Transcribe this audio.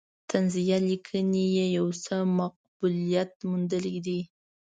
طنزیه لیکنې یې یو څه مقبولیت موندلی دی.